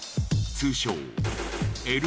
通称。